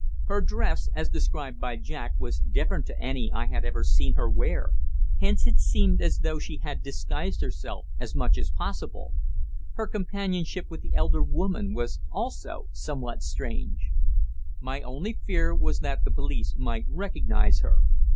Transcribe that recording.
Her dress, as described by Jack, was different to any I had ever seen her wear; hence it seemed as though she had disguised herself as much as was possible. Her companionship with the elder woman was also somewhat strange. My only fear was that the police might recognize her.